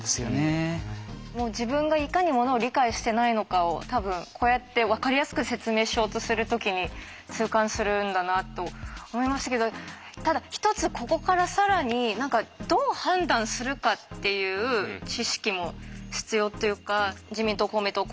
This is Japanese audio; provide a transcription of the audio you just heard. もう自分がいかにものを理解してないのかを多分こうやってわかりやすく説明しようとする時に痛感するんだなと思いましたけどただ一つここから更に何かどう判断するかっていう知識も必要というか自民党公明党